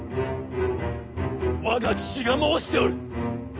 我が父が申しておる！